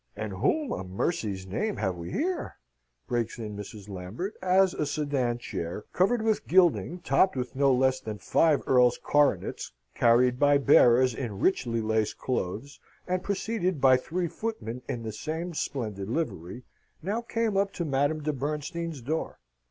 "And whom a mercy's name have we here?" breaks in Mrs. Lambert, as a sedan chair, covered with gilding, topped with no less than five earl's coronets, carried by bearers in richly laced clothes, and preceded by three footmen in the same splendid livery, now came up to Madame de Bernstein's door.